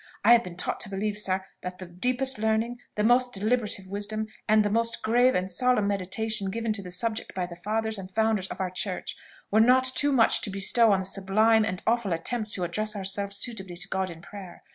I have been taught to believe, sir, that the deepest learning, the most deliberative wisdom, and the most grave and solemn meditation given to the subject by the fathers and founders of our church, were not too much to bestow on the sublime and awful attempt to address ourselves suitably to God in prayer.